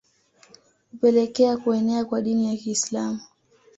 Kupelekea kuenea kwa Dini ya Kiislamu